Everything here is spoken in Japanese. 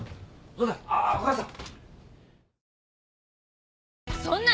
どうだああお母さん。